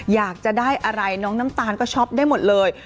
อยากจะได้อะไรน้องน้ำตาลก็ช็อปได้หมดเลย